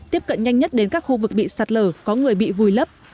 tiếp cận nhanh nhất đến các khu vực bị sạt lở có người bị vùi lấp